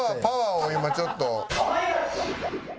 パワーを今ちょっと。